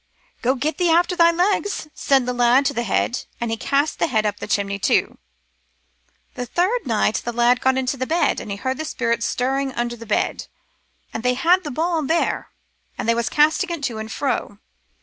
* Go, get thee after thy legs,' said t* lad to t' head, and he cast t' head up chimney too. " The third night t* lad got into bed, and he heard spirits stirring under t' bed ; and they had t* ball there, and they was casting it to and fro.